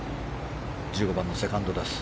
１５番のセカンドです。